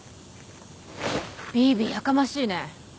びぃびぃやかましいね。